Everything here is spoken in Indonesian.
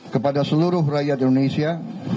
kepada seluruh rakyat indonesia